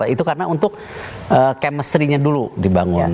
itu karena untuk chemistry nya dulu dibangun